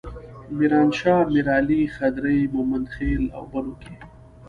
میرانشاه، میرعلي، خدري، ممندخیل او بنو کې.